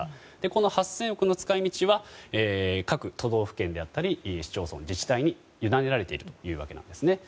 この８０００億の使い道は各都道府県や自治体に委ねられているというわけですね。